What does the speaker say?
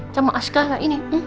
cama askar gak ini